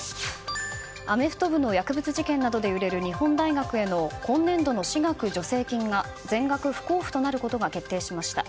アメフト部の薬物事件などで揺れる日本大学への今年度の私学助成金が全額不交付となることが決定しました。